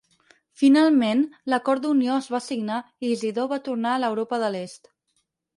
Finalment, l'acord d'unió es va signar i Isidor va tornar a l'Europa de l'Est.